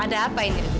ada apa yang dia deketin